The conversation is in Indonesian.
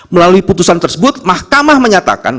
melalui putusan tersebut mahkamah menyatakan